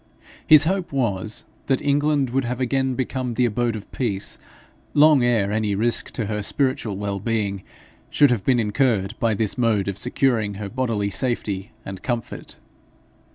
His hope was, that England would have again become the abode of peace, long ere any risk to her spiritual well being should have been incurred by this mode of securing her bodily safety and comfort.